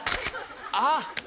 あっ！